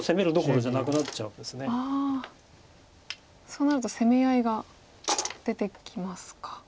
そうなると攻め合いが出てきますか。